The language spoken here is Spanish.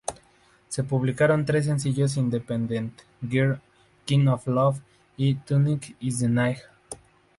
Se publicaron tres sencillos: Independent Girl, King Of Love y Tonight Is The Night.